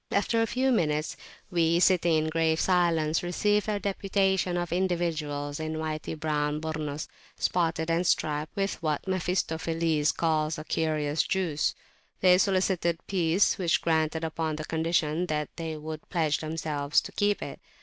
After a few minutes, we, sitting in grave silence, received a deputation of individuals in whity brown Burnus, spotted and striped with what Mephistopheles calls a "curious juice." They solicited peace, which we granted upon the condition that they would pledge themselves to keep it.